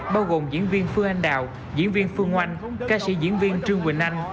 bao gồm diễn viên phương anh đào diễn viên phương oanh ca sĩ diễn viên trương quỳnh anh